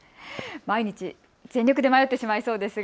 毎日、全力で迷ってしまいそうですが。